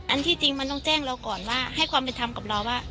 ที่จริงมันต้องแจ้งเราก่อนว่าให้ความเป็นธรรมกับเราว่า